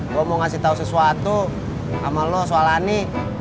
gue mau ngasih tau sesuatu sama lo soal ani